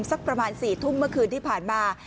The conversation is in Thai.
สักประมาณ๔ทุ่มเมื่อคืนที่ผ่านมา